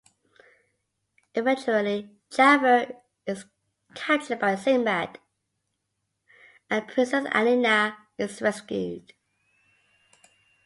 Eventually, Jaffar is captured by Sinbad and Princess Alina is rescued.